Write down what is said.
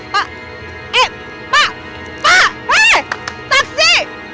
pak eh pak pak hei taksi